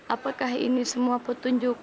apakah ini semua petunjuknya